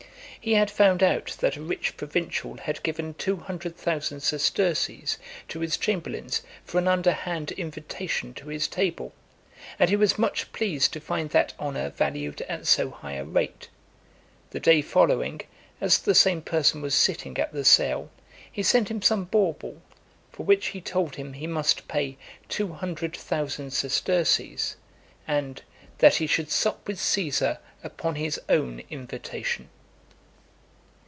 He had found out that a rich provincial had given two hundred thousand sesterces to his chamberlains for an underhand invitation to his table, and he was much pleased to find that honour valued at so high a rate. The day following, as the same person was sitting at the sale, he sent him some bauble, for which he told him he must pay two hundred thousand sesterces, and "that he should sup with Caesar upon his own invitation."